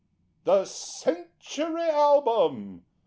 THE CENTURY ALBUM.